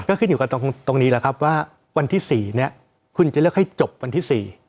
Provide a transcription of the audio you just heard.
ก็ขึ้นอยู่กันตรงนี้แหละครับว่าวันที่๔เนี่ยคุณจะเลือกให้จบวันที่๔